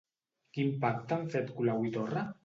Quin pacte han fet Colau i Torra?